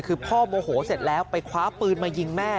คือพ่อโมโหเสร็จแล้วไปคว้าปืนมายิงแม่